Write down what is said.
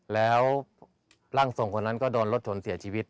แล้วร่างทรงคนนั้นก็โดนรถชนเสียชีวิต